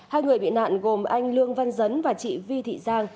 hai người bị nạn gồm anh lương văn dấn và chị vi thị giang